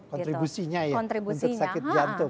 kontribusinya ya untuk sakit jantung